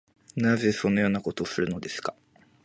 なぜそのようなことをするのですか